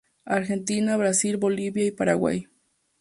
Argentina, Brasil, Bolivia y Paraguay.